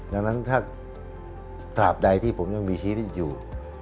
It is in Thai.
ดังนั้นถ้าตราบใดที่ผมยังมีชีวิตอยู่